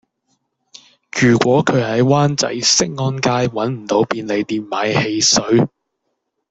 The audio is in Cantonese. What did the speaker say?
如果佢喺灣仔適安街搵唔到便利店買汽水